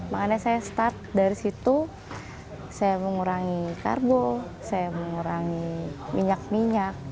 makanya saya start dari situ saya mengurangi karbo saya mengurangi minyak minyak